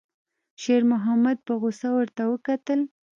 شېرمحمد په غوسه ورته وکتل.